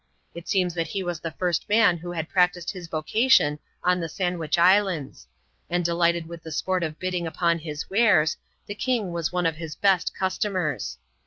It seems that he was the first man who had practised his vocation on the Sandwich Is lands ; and delighted with the sport of bidding upon his wares, the king was one of his best customers.